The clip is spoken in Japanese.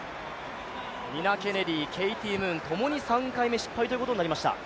ニナ・ケネディ、ケイティ・ムーンともに３回目失敗ということになりました。